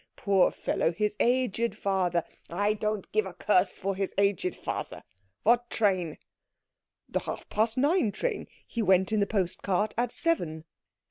Poor fellow, his aged father " "I don't care a curse for his aged father. What train?" "The half past nine train. He went in the post cart at seven."